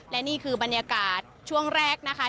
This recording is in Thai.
และนี่คือบรรยากาศช่วงแรกนะคะ